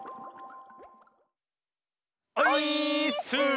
オイーッス！